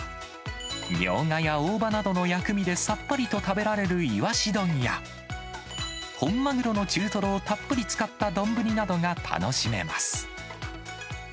ミョウガや大葉などの薬味でさっぱりと食べられるいわし丼や、本マグロの中トロをたっぷり使った丼などが楽しめます。